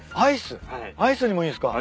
アイスにもいいんすか？